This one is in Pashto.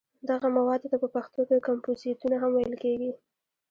دغه موادو ته په پښتو کې کمپوزیتونه هم ویل کېږي.